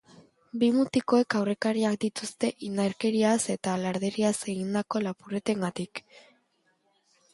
Bi mutikoek aurrekariak dituzte indarkeriaz eta larderiaz egindako lapurretengatik.